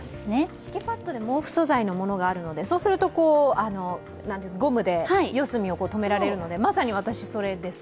敷きパッドで毛布素材のものもあるので、そうすると、ゴムで四隅を止められるのでまさに私、それです。